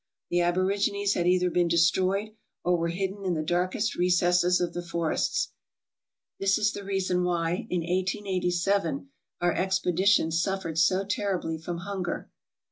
The aborigines had either been destroyed, or were hidden in the darkest recesses of the forests. This is the reason why in 1887 our expedition suffered so terribly from hunger.